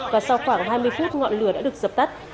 và sau khoảng hai mươi phút ngọn lửa đã được dập tắt